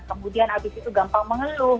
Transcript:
kemudian abis itu gampang mengeluh